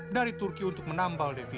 dari turki untuk menangkap listrik terapung